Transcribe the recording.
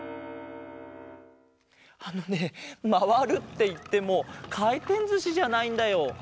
あのねまわるっていってもかいてんずしじゃないんだよ。